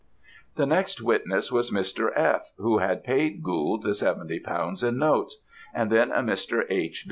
"The next witness was Mr. F., who had paid Gould the seventy pounds in notes; and then a Mr. H.